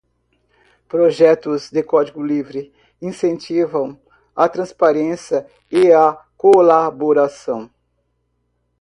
Projetos de código livre incentivam a transparência e colaboração.